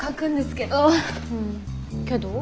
けど？